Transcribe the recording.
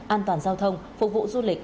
an toàn giao thông phục vụ du lịch